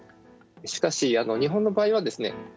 しかし日本の場合はですね